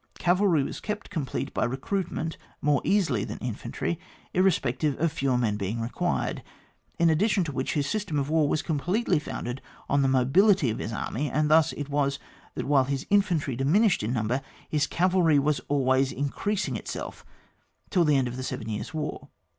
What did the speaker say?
Cavalry was kept complete by recruit ment more easily tlian infantry, irres pective of fewer men beiug required; in addition to which, his system of war was completely founded on the mobility of his army, and thus it was, that while his infantry diminished in number, his cavalry was always increasing itself till the end of the Seven Years* War.